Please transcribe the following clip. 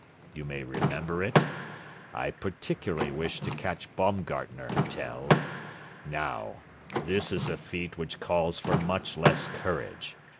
You may remember it? I particularly wished to catch Baumgartner, Tell. Now, this is a feat which calls for much less courage.